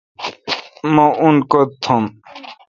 مہ ان کوتھ تھم۔